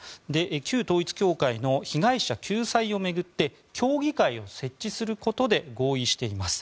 旧統一教会の被害者救済を巡って協議会を設置することで合意しています。